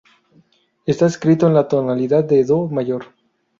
Está escrito en la tonalidad de Do mayor.